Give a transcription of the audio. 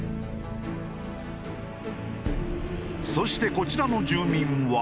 そしてこちらの住民は。